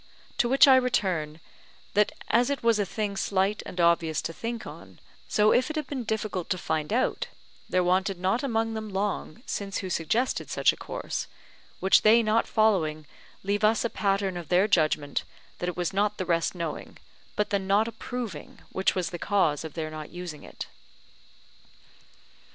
To which I return, that as it was a thing slight and obvious to think on, so if it had been difficult to find out, there wanted not among them long since who suggested such a course; which they not following, leave us a pattern of their judgment that it was not the rest knowing, but the not approving, which was the cause of their not using it.